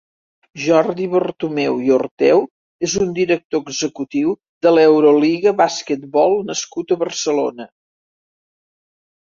Jordi Bertomeu i Orteu és un director executiu de l'Euroleague Basketball nascut a Barcelona.